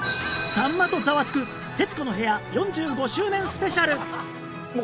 さんまとザワつく『徹子の部屋４５周年スペシャル』！